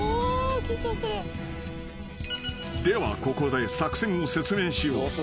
［ではここで作戦を説明しよう］